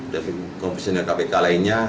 dan komisioner kpk lainnya